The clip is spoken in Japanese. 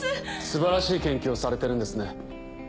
素晴らしい研究をされてるんですね。